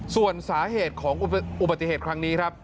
ส่วนสาเหตุของอุบัติเหตุครั้งนี้ครับ